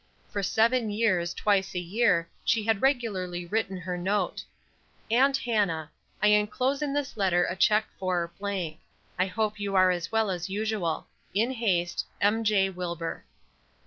For seven years, twice a year, she had regularly written her note: AUNT HANNAH: I inclose in this letter a check for . I hope you are as well as usual. In haste, M. J. WILBUR.